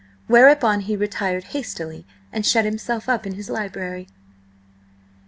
Whereupon he retired hastily and shut himself up in his library.